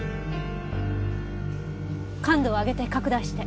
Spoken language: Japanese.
感度を上げて拡大して。